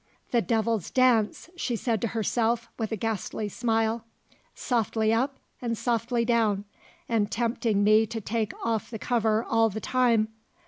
"The devil's dance," she said to herself, with a ghastly smile. "Softly up and softly down and tempting me to take off the cover all the time!